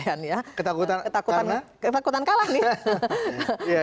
ketakutan karena ketakutan kalah nih ketakutan kalah nih ketakutan kalah nih ketakutan kalah nih